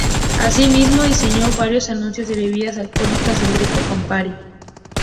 Asimismo, diseñó varios anuncios de bebidas alcohólicas del Grupo Campari.